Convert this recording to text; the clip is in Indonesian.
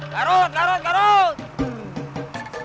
garut garut garut